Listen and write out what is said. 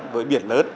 với biển lớn